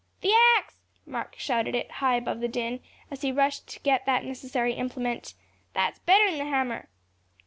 "The axe," Mark shouted it high above the din, as he rushed to get that necessary implement, "that's better'n the hammer."